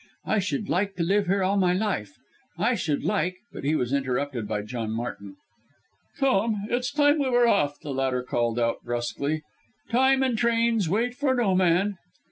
I should like to live here all my life. I should like " but he was interrupted by John Martin. "Come, it's time we were off," the latter called out brusquely, "time and trains wait for no man!"